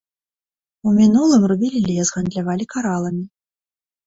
У мінулым рубілі лес, гандлявалі караламі.